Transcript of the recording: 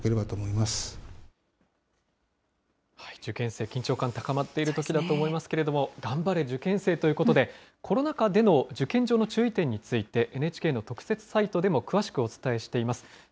受験生、緊張感高まっているときだと思いますけれども、がんばれ受験生！ということで、コロナ禍での受験上の注意点について、ＮＨＫの特設サイトでも詳しくお伝えしています。